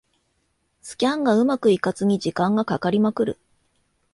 スキャンがうまくいかずに時間がかかりまくる